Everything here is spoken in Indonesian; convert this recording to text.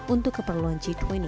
untuk keperluan g dua puluh